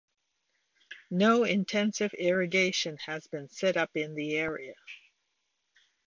No intensive irrigation has been set up in the area.